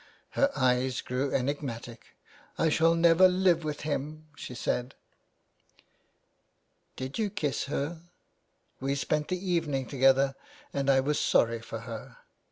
Her eyes grew enigmatic. * I shall never live with him/ she said. 412 THE WAY BACK. " Did you kiss her?" " We spent the evening together and I was sorry for her.''